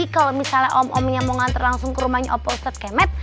kalau misalnya om omnya mau ngantar langsung ke rumahnya wapau usat kemet